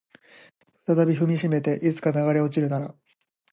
再び踏みしめていつか流れ落ちるなら